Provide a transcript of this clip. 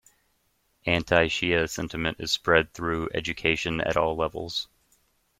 Anti-Shia sentiment is spread through education at all levels.